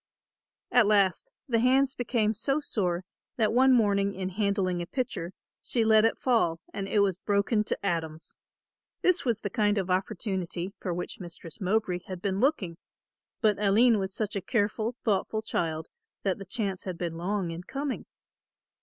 At last the hands became so sore that one morning in handling a pitcher, she let it fall and it was broken to atoms. This was the kind of opportunity for which Mistress Mowbray had been looking, but Aline was such a careful, thoughtful child that the chance had been long in coming.